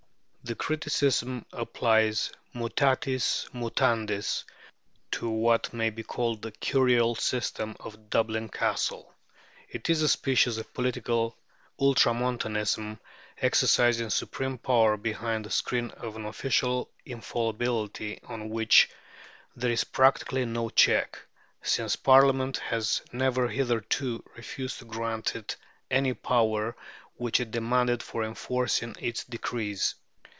This criticism applies, mutatis mutandis, to what may be called the Curial system of Dublin Castle. It is a species of political Ultramontanism, exercising supreme power behind the screen of an official infallibility on which there is practically no check, since Parliament has never hitherto refused to grant it any power which it demanded for enforcing its decrees.